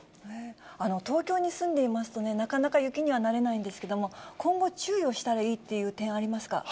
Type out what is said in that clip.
東京に住んでいますとね、なかなか雪には慣れないんですけれども、今後、注意をしたらいいっていう点ありますか？